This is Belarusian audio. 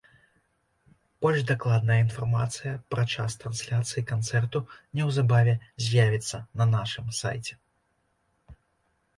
Больш дакладная інфармацыя пра час трансляцыі канцэрту неўзабаве з'явіцца на нашым сайце.